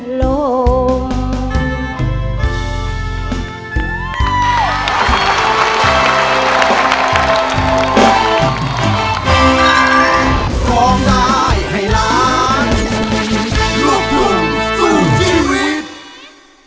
บอลแก่บอลแก่ดูสุดและมันหล่อหญิงมันมีดีใจมากมากมากและมันจะยอมร้องจริงแหล่งสิ่งที่ไม่คิดเสียง